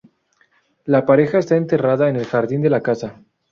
La pareja está enterrada en el jardín de la casa.